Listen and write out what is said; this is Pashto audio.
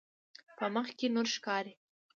په مخ کې نور ښکاري.